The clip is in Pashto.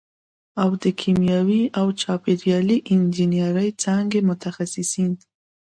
او د کیمیاوي او چاپېریالي انجینرۍ څانګې متخصصین